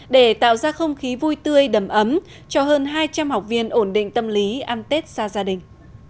để tạo ra không khí vui tươi đầm ấm cho hơn hai trăm linh học viên ổn định tâm lý ăn tết xa gia đình